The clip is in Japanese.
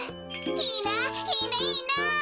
いいないいないいな。